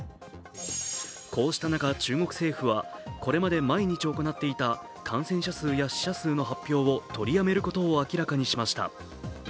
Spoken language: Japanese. こうした中、中国政府はこれまで毎日行っていた感染者数や死者数の発表を取りやめることを明らかにしました。